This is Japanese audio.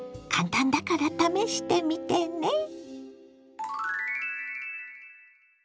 簡単だから試してみてね。